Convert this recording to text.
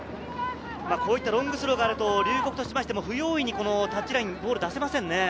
ロングスローがあると龍谷としても不用意にタッチラインにボールを出せませんね。